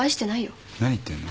何言ってんの？